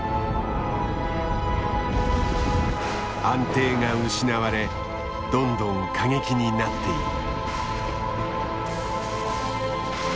安定が失われどんどん過激になっている。